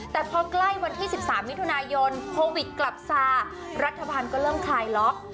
แต่พอใกล้วันที่๑๓มิถุนายนโควิดกลับซารัฐบาลก็เริ่มคลายล็อก